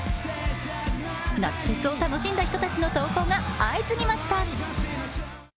夏フェスを楽しんだ人たちの投稿が相次ぎました。